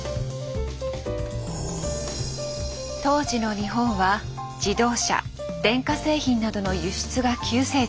当時の日本は自動車電化製品などの輸出が急成長。